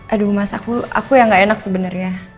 aduh mas aku yang gak enak sebenernya